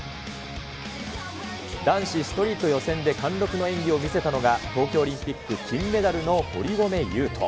男子ストリート予選で貫禄の演技を見せたのが、東京オリンピック金メダルの堀米雄斗。